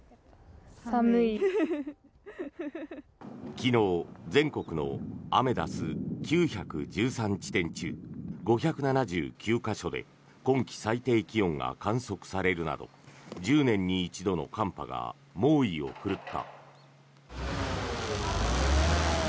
昨日、全国のアメダス９１３地点中５７９か所で今季最低気温が観測されるなど１０年に一度の寒波が猛威を振るった。